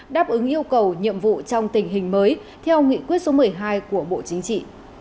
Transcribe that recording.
đáp ứng yêu cầu nhiệm vụ trong tình hình mới theo nghị quyết số một mươi hai của bộ chính trị